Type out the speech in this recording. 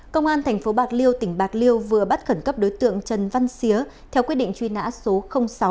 công an tp bạc liêu tỉnh bạc liêu vừa bắt khẩn cấp đối tượng trần văn xía theo quyết định truy nã số sáu